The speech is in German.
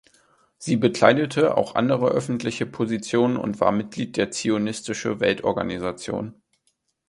Sie bekleidete auch andere öffentliche Positionen und war Mitglied der Zionistische Weltorganisation.